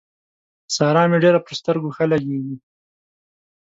سارا مې ډېره پر سترګو ښه لګېږي.